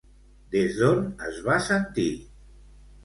Des d'on es va sentir?